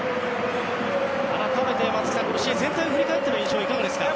改めて、松木さん全体を振り返っての印象はいかがですか。